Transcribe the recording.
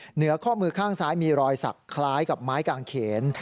เหนือข้อมือข้างซ้ายมีรอยสักคล้ายกับไม้กางเขน